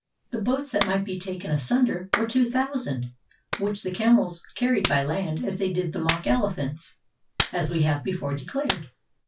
The boats that might be taken asunder were two thou sand ; which the camels carried by land as they did the mock elephants, as we have before declared.